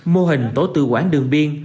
mô hình tổ tư quản đường biên